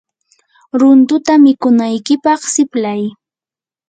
runtuta mikunaykipaq siplay.